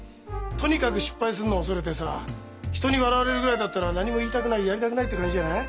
とにかく失敗するの恐れてさ人に笑われるぐらいだったら何も言いたくないやりたくないって感じじゃない？